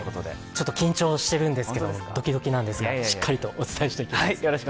ちょっと緊張してドキドキなんですが、しっかりお伝えしていきます。